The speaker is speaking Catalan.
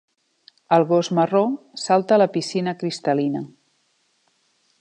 El gos marró salta a la piscina cristal·lina.